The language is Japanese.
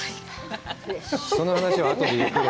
その話は、あとでゆっくり。